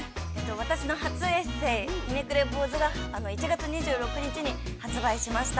私の初エッセー「ひねくれぼうず」が１月２６日に発売しました。